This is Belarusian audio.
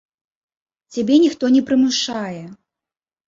Цябе ніхто не прымушае.